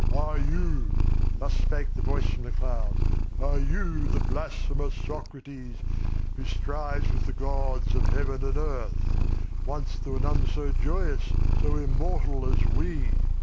"Are you," thus spake the voice from the clouds, "are you the blasphemous Socrates who strives with the gods of heaven and earth? Once there were none so joyous, so immortal, as we.